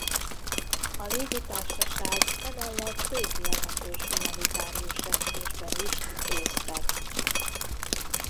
A légitársaság emellett több jelentős humanitárius repülésben is részt vett.